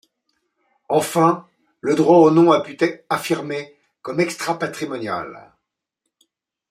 Enfin, le droit au nom a pu être affirmé comme extra-patrimonial.